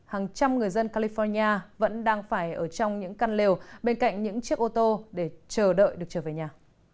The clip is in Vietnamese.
hàng trăm người dân california vẫn đang phải ở trong những căn lều bên cạnh những chiếc ô tô để chờ đợi được trở về nhà